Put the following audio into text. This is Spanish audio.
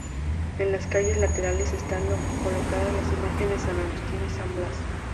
En las calles laterales estaban colocadas las imágenes de San Agustín y San Blas.